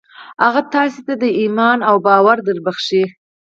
هغه تاسې ته ايمان او باور دربښي.